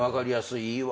いいわ。